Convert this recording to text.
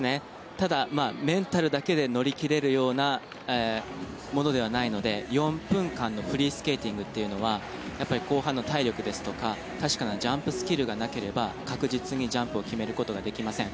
ただ、メンタルだけで乗り切れるようなものではないので４分間のフリースケーティングというのは後半の体力ですとか確かなジャンプスキルがなければ確実にジャンプを決めることができません。